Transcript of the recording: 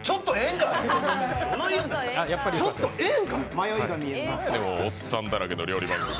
なんやねん、もうおっさんだらけの料理番組。